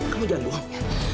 kamu jangan doang